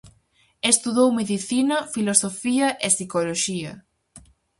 Estudou medicina, filosofía e psicoloxía.